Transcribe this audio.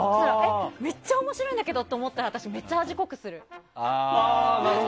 めっちゃ面白いんだけどって思ったら、私、味濃くする。